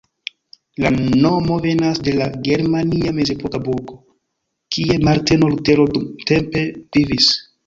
La nomo venas de la germania mezepoka burgo, kie Marteno Lutero dumtempe vivis.